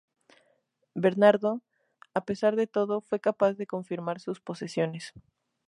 Bernardo, a pesar de todo, fue capaz de confirmar sus posesiones.